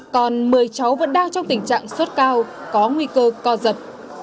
còn một mươi cháu vẫn đang trong tình trạng sốt cao có nguy cơ co giật